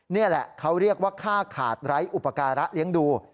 นี่แหละเขาเรียกว่าค่าขาดไร้อุปการะเลี้ยงดู